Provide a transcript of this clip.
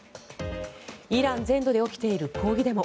イラン全土で起きている抗議デモ。